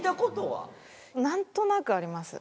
なんとなくあります。